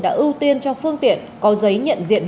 đã ưu tiên cho phương tiện có giấy nhận diện